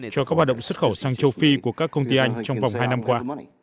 cho các hoạt động xuất khẩu sang châu phi của các công ty anh trong vòng hai năm qua